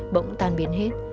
bỗng tàn biến hết